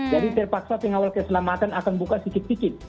jadi terpaksa pengawal keselamatan akan buka sedikit sedikit